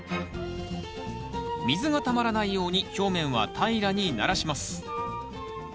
水がたまらないように表面は平らにならします